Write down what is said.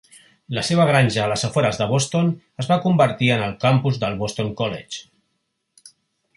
La seva granja a les afores de Boston es va convertir en el campus del Boston College.